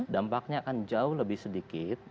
dampaknya akan jauh lebih sedikit